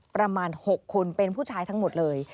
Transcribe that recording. ประมาณ๖คนเป็นผู้ชายทั้งหมดเลย